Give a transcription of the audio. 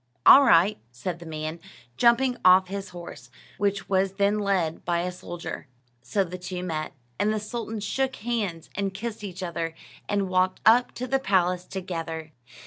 "All right," said the man, jumping off his horse, which was then led by a soldier. So the two met, and the sultans shook hands, and kissed each other, and walked up to the palace together.